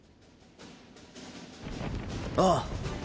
ああ。